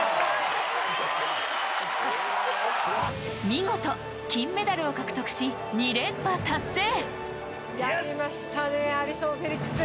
見事、金メダルを獲得し、２連覇達成。